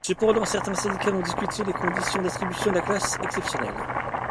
Cependant certains syndicats ont discuté les conditions d'attribution de la classe exceptionnelle.